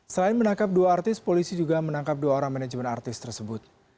selain menangkap dua artis polisi juga menangkap dua orang manajemen artis tersebut